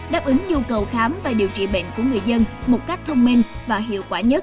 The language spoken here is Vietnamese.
đáp ứng nhu cầu khám và điều trị bệnh của người dân một cách thông minh và hiệu quả nhất